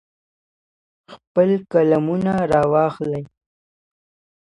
خپل قلمونه را واخلئ.